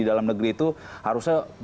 di dalam negeri itu harusnya